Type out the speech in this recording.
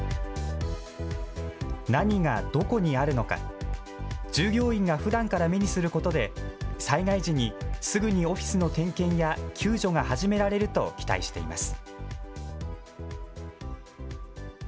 何がどこにあるのか、従業員がふだんから目にすることで災害時にすぐにオフィスの点検や救助が始められると期待しています。